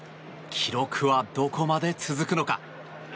記録はどこまで続くのか。